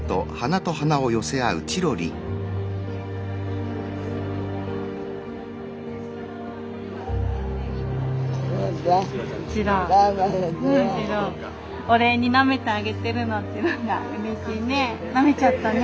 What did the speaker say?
チロチロお礼になめてあげてるのってなんかうれしいね。